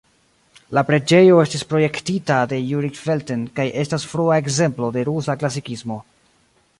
La preĝejo estis projektita de Jurij Felten kaj estas frua ekzemplo de rusa klasikismo.